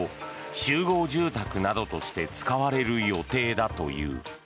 集合住宅などとして使われる予定だという。